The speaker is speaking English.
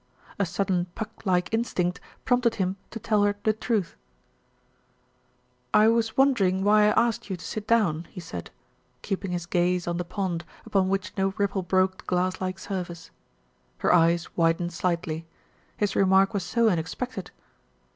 A sudden Puck like instinct prompted him to tell her the truth. 268 THE RETURN OF ALFRED "I was wondering why I asked you to sit down," he said, keeping his gaze on the pond, upon which no ripple broke the glass like surface. Her eyes widened slightly; his remark was so un expected.